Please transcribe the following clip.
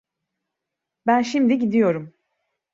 Ben şimdi gidiyorum.